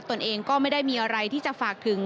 ตัวเองก็ไม่ได้มีอะไรที่จะฝากถึง